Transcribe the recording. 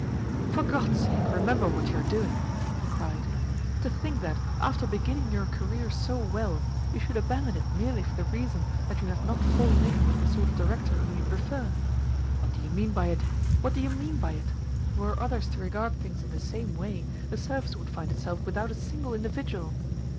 "For God's sake remember what you are doing!" he cried. "To think that, after beginning your career so well, you should abandon it merely for the reason that you have not fallen in with the sort of Director whom you prefer! What do you mean by it, what do you mean by it? Were others to regard things in the same way, the Service would find itself without a single individual.